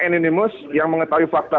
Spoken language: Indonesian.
orang anonymous yang mengetahui fakta